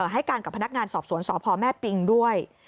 ให้การกับพนักงานสอบสวนสพแม่ปิงด้วย